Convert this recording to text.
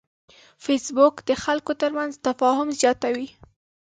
فېسبوک د خلکو ترمنځ تفاهم زیاتوي